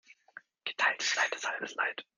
Geteiltes Leid ist halbes Leid.